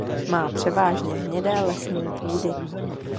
Má převážně hnědé lesní půdy.